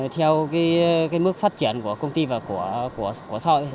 theo mức phát triển của công ty và của xã hội